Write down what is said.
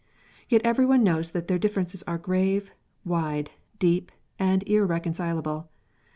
Yet every one knows that their differences are grave, wide, deep, and irreconcilable.